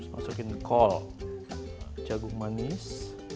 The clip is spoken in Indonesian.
masukin kol jagung manis